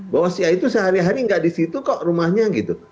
bahwa sia itu sehari hari nggak di situ kok rumahnya gitu